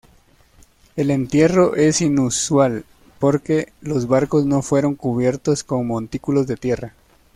El entierro es inusual porque los barcos no fueron cubiertos con montículos de tierra.